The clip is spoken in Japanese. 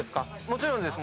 もちろん。